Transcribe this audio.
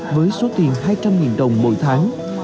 với số tiền hai trăm linh đồng mỗi tháng